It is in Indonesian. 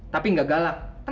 tapi gak pelihara monyet